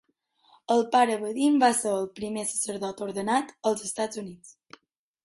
El pare Badin va ser el primer sacerdot ordenat als Estats Units.